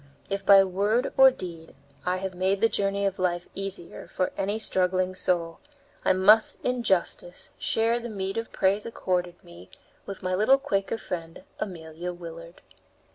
If by word or deed I have made the journey of life easier for any struggling soul, I must in justice share the meed of praise accorded me with my little Quaker friend Amelia Willard.